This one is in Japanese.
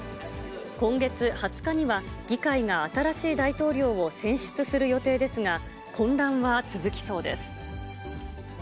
今月２０日には、議会が新しい大統領を選出する予定ですが、混乱は続きそうです。